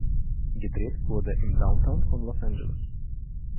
Gedreht wurde im Downtown von Los Angeles.